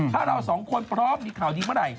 ถ้าเราสองคนพร้อมมีข่าวดีเมื่อไหร่